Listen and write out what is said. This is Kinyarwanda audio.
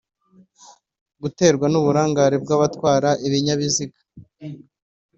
guterwa n’uburangare bw’abatwara ibinyabiziga